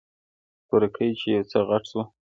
تورکى چې يو څه غټ سو.